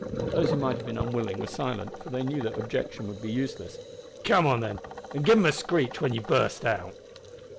Those who might have been unwilling were silent, for they knew that objection would be useless. "Come on, then, an' give them a screech when ye burst out!"